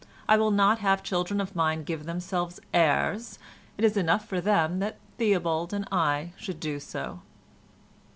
I will not have children of mine give themselves airs—it is enough for them that Theobald and I should do so."